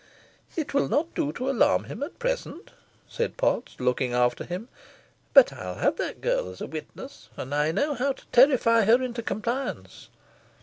"It will not do to alarm him at present," said Potts, looking after him, "but I'll have that girl as a witness, and I know how to terrify her into compliance.